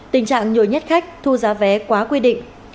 tình trạng nhồi nhét khách thu giá vé quá quy định